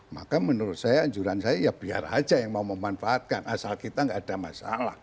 maka menurut saya anjuran saya ya biar aja yang mau memanfaatkan asal kita nggak ada masalah